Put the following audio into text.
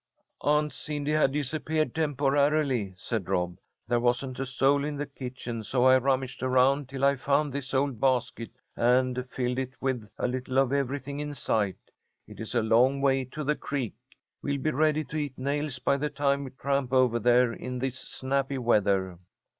"Aunt Cindy had disappeared temporarily," said Rob. "There wasn't a soul in the kitchen, so I rummaged around till I found this old basket, and filled it with a little of everything in sight. It is a long way to the creek. We'll be ready to eat nails by the time we tramp over there in this snappy weather."